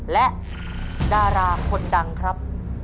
และดาราคนดังครับ